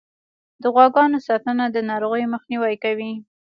د غواګانو ساتنه د ناروغیو مخنیوی کوي.